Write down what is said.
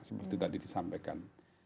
seperti tadi disampaikan